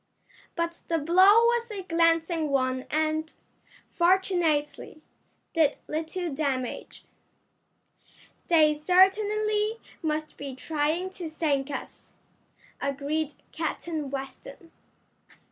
But the blow was a glancing one and, fortunately, did little damage. "They certainly must be trying to sink us," agreed Captain Weston.